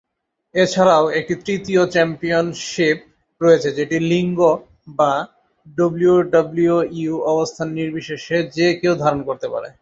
এছাড়াও একটি তৃতীয় চ্যাম্পিয়নশিপ রয়েছে, যেটি লিঙ্গ বা ডাব্লিউডাব্লিউইর অবস্থান নির্বিশেষে যে কেউ ধারণ করতে পারে।